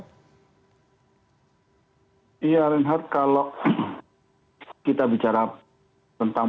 iya renhard kalau kita bicara tentang